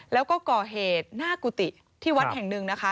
แล้วก็ก่อเหตุหน้ากุฏิที่วัดแห่งหนึ่งนะคะ